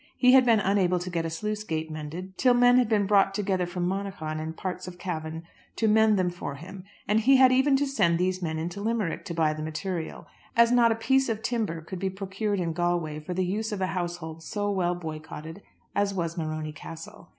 He had been unable to get a sluice gate mended till men had been brought together from Monaghan and parts of Cavan to mend them for him, and he had even to send these men into Limerick to buy the material, as not a piece of timber could be procured in Galway for the use of a household so well boycotted as was Morony Castle.